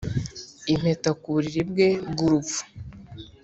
impeta ku buriri bwe bw'urupfu